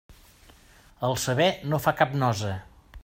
El saber no fa cap nosa.